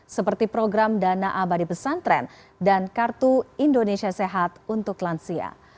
seperti program dana abadi pesantren dan kartu indonesia sehat untuk lansia